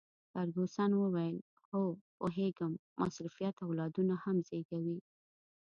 فرګوسن وویل: هو، پوهیږم، مصروفیت اولادونه هم زیږوي.